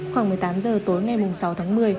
khoảng một mươi tám h tối ngày sáu tháng một mươi